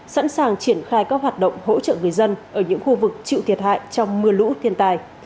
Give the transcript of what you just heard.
sẵn sàng triển khai các hoạt động hỗ trợ người dân ở những khu vực chịu thiệt hại trong mưa lũ thiên tài